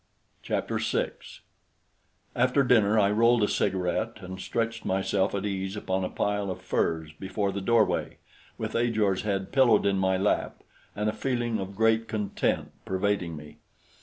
Chapter 6 After dinner I rolled a cigaret and stretched myself at ease upon a pile of furs before the doorway, with Ajor's head pillowed in my lap and a feeling of great content pervading me.